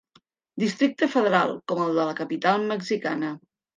Districte Federal, com el de la capital mexicana.